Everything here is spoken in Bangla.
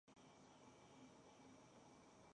তাদের নেতা হলেন ডোগি।